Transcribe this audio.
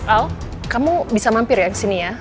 al kamu bisa mampir ya kesini ya